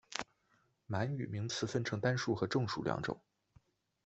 满语名词分成单数和众数两种。